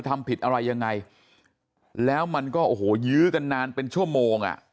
ทำผิดอะไรยังไงแล้วมันก็โอ้โหยื้อกันนานเป็นชั่วโมงอ่ะ